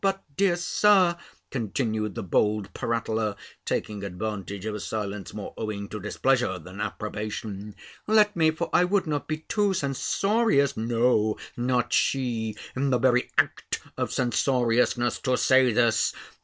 "But, dear Sir," continued the bold prattler, (taking advantage of a silence more owing to displeasure than approbation) "let me, for I would not be too censorious" (No, not she! in the very act of censoriousness to say this!)